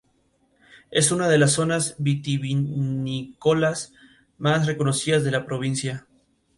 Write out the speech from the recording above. La primera temporada de "Claws" recibió críticas positivas mayoritariamente.